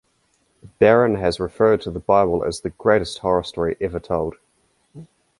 Barron has referred to the Bible as the greatest horror story ever told.